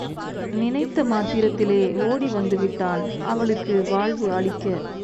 நினைத்த மாத்திரத்திலே ஓடி வந்து விட்டான், அவளுக்கு வாழ்வு அளிக்க.